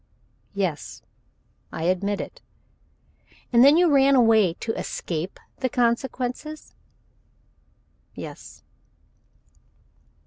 "Yes. I admit it." "And that you ran away to escape the consequences?" "Yes."